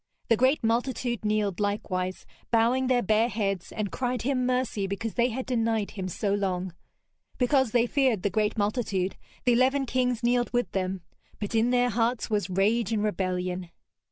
The great multitude kneeled likewise, bowing their bare heads, and cried him mercy because they had denied him so long. Because they feared the great multitude, the eleven kings kneeled with them, but in their hearts was rage and rebellion.